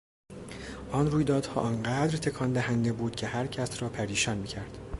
آن رویدادها آن قدر تکان دهنده بود که هرکس را پریشان میکرد.